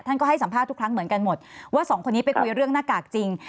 ก็ให้สัมภาษณ์ทุกครั้งเหมือนกันหมดว่าสองคนนี้ไปคุยเรื่องหน้ากากจริง